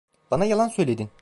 Bana yalan söyledin.